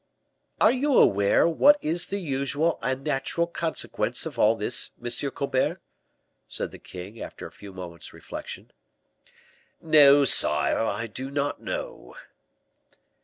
"Are you aware what is the usual and natural consequence of all this, Monsieur Colbert?" said the king, after a few moments' reflection. "No, sire, I do not know."